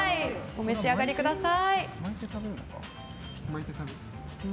お召し上がりください。